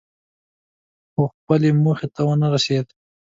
خو خپلې موخې ته ونه رسېد.